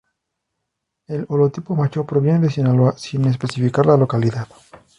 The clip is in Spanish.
El holotipo macho proviene de Sinaloa, sin especificar la localidad.